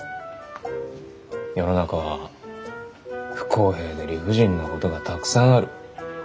世の中は不公平で理不尽なことがたくさんある。